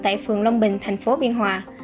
tại phường long bình thành phố biên hòa